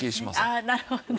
ああなるほど。